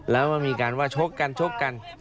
แล้วมันมีการว่าชกกันชกกัน